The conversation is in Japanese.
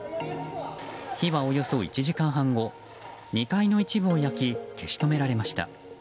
火はおよそ１時間半後２階の一部を焼き消し止められました。